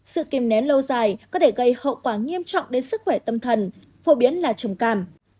sự kìm nén lâu dài có thể gây hậu quả nghiêm trọng đến sức khỏe tâm thần phổ biến là trầm cảm